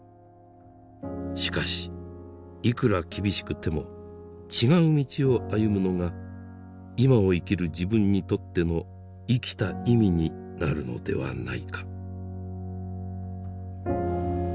しかしいくら厳しくても違う道を歩むのが今を生きる自分にとっての「生きた意味」になるのではないか。